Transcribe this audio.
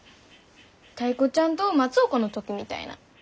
タイ子ちゃんと松岡の時みたいなん。